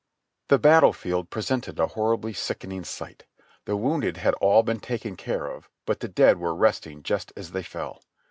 The battle field presented a horribly sickening sight. The wounded had all been taken care of, but the dead were resting just as they fell.